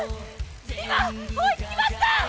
今追いつきました！